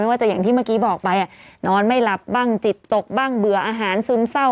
ว่าจะอย่างที่เมื่อกี้บอกไปนอนไม่หลับบ้างจิตตกบ้างเบื่ออาหารซึมเศร้า